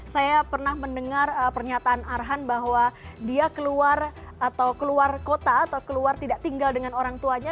saya pernah mendengar pernyataan arhan bahwa dia keluar atau keluar kota atau keluar tidak tinggal dengan orang tuanya